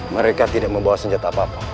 mereka tidak membawa senjata apa apa